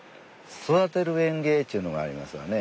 育てる園芸っちゅうのがありますわね。